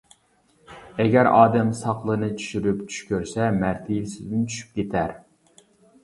ئەگەر ئادەم ساقىلىنى چۈشۈرۈپ چۈش كۆرسە مەرتىۋىسىدىن چۈشۈپ كېتەر.